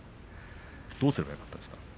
どうすればよかったですか。